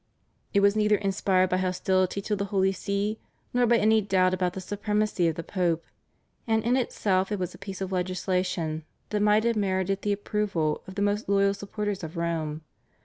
It was neither inspired by hostility to the Holy See, nor by any doubt about the supremacy of the Pope, and in itself it was a piece of legislation that might have merited the approval of the most loyal supporters of Rome.